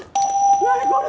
何これ！